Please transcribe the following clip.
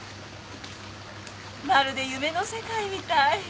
まるで夢の世界みたい。